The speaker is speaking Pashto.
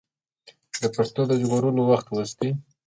د پښتو د ژغورلو وخت اوس دی.